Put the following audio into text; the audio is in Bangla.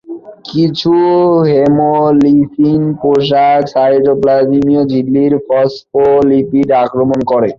কিছু হেমোলিসিন পোষক সাইটোপ্লাজমীয় ঝিল্লির ফসফোলিপিড আক্রমণ করে।